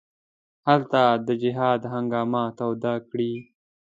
هلته د جهاد هنګامه توده کړي.